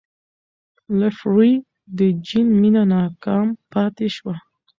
لفروی د جین مینه ناکام پاتې شوه.